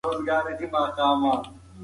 لومړی باید د خپلې کورنۍ ستونزې حل کړې.